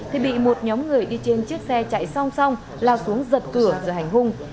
thì bị một nhóm người đi trên chiếc xe chạy song song lao xuống giật cửa rồi hành hung